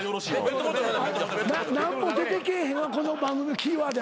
「何も出てけえへん」はこの番組のキーワード